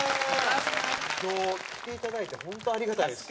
今日来ていただいて本当ありがたいです。